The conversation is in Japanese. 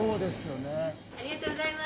ありがとうございます。